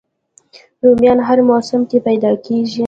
رومیان هر موسم کې پیدا کېږي